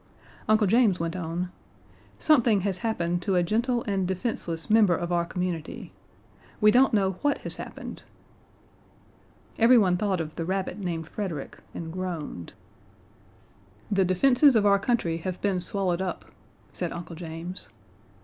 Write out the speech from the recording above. Uncle James went on: "Something has happened to a gentle and defenseless member of our community. We don't know what has happened." Everyone thought of the rabbit named Frederick, and groaned. "The defenses of our country have been swallowed up," said Uncle James.